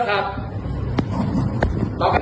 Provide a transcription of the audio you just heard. อยากเชื่อมัน